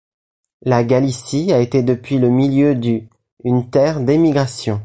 La Galicie a été depuis le milieu du une terre d’émigration.